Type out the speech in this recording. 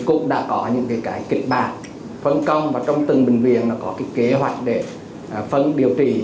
cụ đã có những kịch bản phân công và trong từng bệnh viện có kế hoạch để phân điều trị